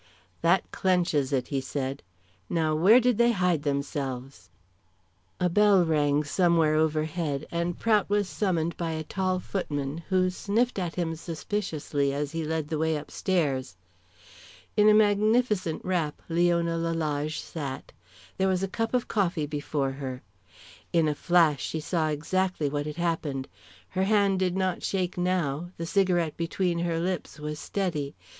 "That clenches it," he said. "Now where did they hide themselves?" A bell rang somewhere overhead, and Prout was summoned by a tall footman, who sniffed at him suspiciously as he led the way upstairs. In a magnificent wrap Leona Lalage sat. There was a cup of coffee before her. In a flash she saw exactly what had happened. Her hand did not shake now, the cigarette between her lips was steady.